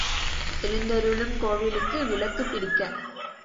எழுந்தருளும் கோவிலுக்கு விளக்குப் பிடிக்க.